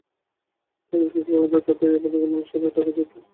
তাই স্মৃতিরত্নপাড়াতেও তাদের এই অপকীর্তনের অনুস্বার-বিসর্গওয়ালা ঢাকি জুটল।